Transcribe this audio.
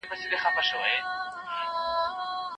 کله چي البوتل غواړې نو د الوتکي په مابينځ کي حج ته ځې.